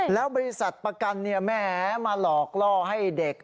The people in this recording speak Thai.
แล้วบริษัทประกันแหมมาหลอกล่อให้เด็ก